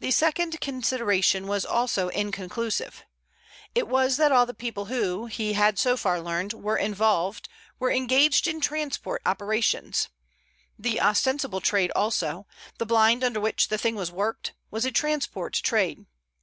The second consideration was also inconclusive. It was that all the people who, he had so far learned, were involved were engaged in transport operations. The ostensible trade also, the blind under which the thing was worked, was a transport trade.